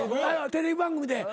テレビ番組で。